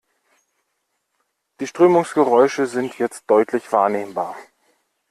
Die Strömungsgeräusche sind jetzt deutlich wahrnehmbar.